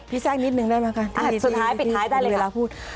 พี่แทรกนิดหนึ่งได้ไหมคะที่สุดท้ายปิดท้ายได้เลยค่ะ